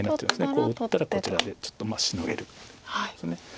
こう打ったらこちらでちょっとシノげるってことです。